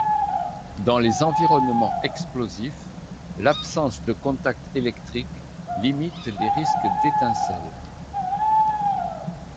Dans les environnements explosifs, l'absence de contact électrique limite les risques d'étincelle.